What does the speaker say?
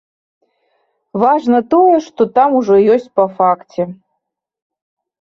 Важна тое, што там ужо ёсць па факце.